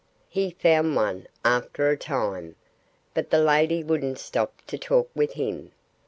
He found one, after a time. But the lady wouldn't stop to talk with him.